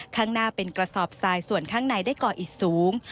ข้างหน้าเป็นกระสอบทรายส่วนข้างในได้ก่ออิดสูง